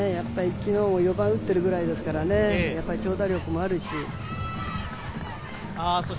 昨日も４番を打っているくらいですからね、長打力もあるし。